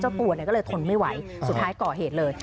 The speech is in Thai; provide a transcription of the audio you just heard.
ตัวก็เลยทนไม่ไหวสุดท้ายก่อเหตุเลย